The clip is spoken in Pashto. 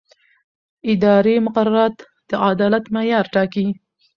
اداري مقررات د عدالت معیار ټاکي.